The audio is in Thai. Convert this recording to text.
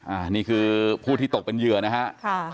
อันนี้คือผู้ที่ตกเป็นเหยื่อนะฮะค่ะ